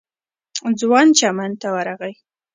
ځوان چمن ته ورغی.